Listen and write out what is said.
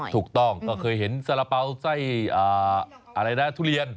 ถูกต้องก็เคยเห็นสาระเป๋าไส้อะไรนะทุเรียน